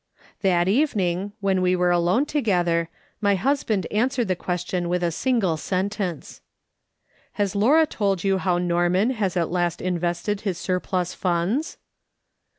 That evening, when we were alone together, my husband answered the question with a single sentence :" Has Laura told you how Norman has at last in vested his surplus funds